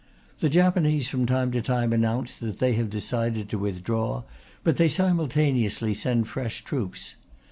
The Japanese from time to time announce that they have decided to withdraw, but they simultaneously send fresh troops.